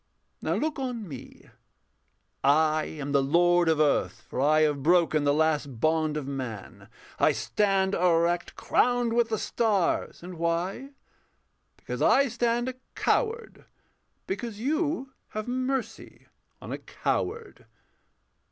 Now look on me: I am the lord of earth, For I have broken the last bond of man. I stand erect, crowned with the stars and why? Because I stand a coward because you Have mercy on a coward.